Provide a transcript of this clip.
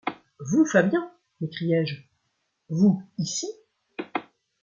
Vous, Fabian ! m’écriai-je, vous, ici ?